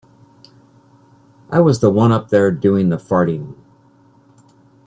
I was the one up there doing the farting.